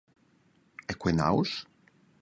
Ei quei nausch?